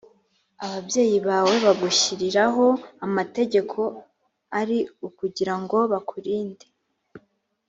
ababyeyi bawe bagushyiriraho amategeko ari ukugira ngo bakurinde